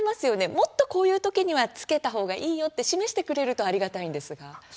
もっとこういう時には着けた方がいいよって示してくれるとありがたいんですが。